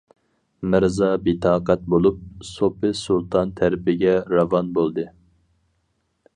مىرزا بىتاقەت بولۇپ، سوپى سۇلتان تەرىپىگە راۋان بولدى.